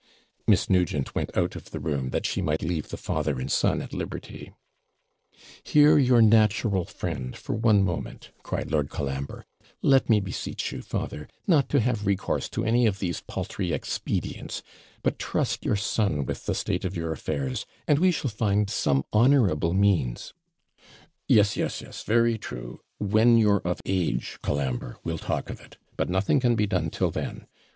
Miss Nugent went out of the room, that she might leave the father and son at liberty. 'Hear your natural friend for one moment,' cried Lord Colambre. 'Let me beseech you, father, not to have recourse to any of these paltry expedients, but trust your son with the state of your affairs, and we shall find some honourable means ' 'Yes, yes, yes, very true; when you're of age, Colambre, we'll talk of it; but nothing can be done till then.